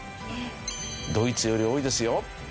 ドイツより多いですよ。